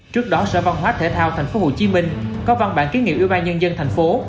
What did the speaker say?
trước đó sở văn hóa thể thao tp hcm có văn bản ký nghiệm ubnd thành phố